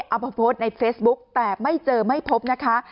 เอามาโพสต์ในเฟซบุ๊กแต่ไม่เจอไม่พบนะคะ